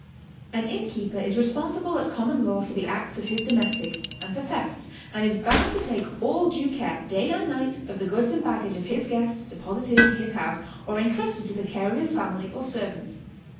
An inn keeper is responsible at common law for the acts of his domestics, and for thefts, and is bound to take all due care day and night of the goods and baggage of his guests dc l)osited in his house, or intrusted to the care of his family or servants.